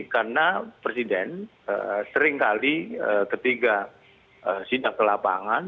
karena presiden seringkali ketiga sinar ke lapangan